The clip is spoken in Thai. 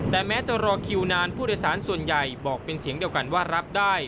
แต่แม้จะรอคิวนานผู้โดยสารส่วนใหญ่บอกเป็นเสียงเดียวกันว่ารับได้